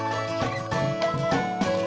ya kusereksin lima aside tersebut